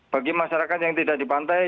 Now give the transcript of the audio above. bagi masyarakat yang tidak di pantai